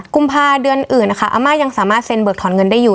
กุมภาเดือนอื่นนะคะอาม่ายังสามารถเซ็นเบิกถอนเงินได้อยู่